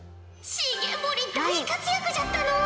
重盛大活躍じゃったのう！